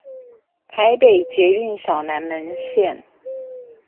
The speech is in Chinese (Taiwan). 台北捷運小南門線